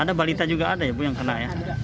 ada balita juga ada ya bu yang kena ya